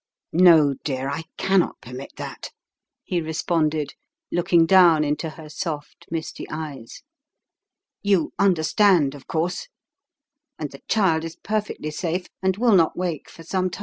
"No, dear, I cannot permit that," he responded, looking down into her soft, misty eyes. " You under stand, of course. And the child is perfectly safe, and will not wake for some time.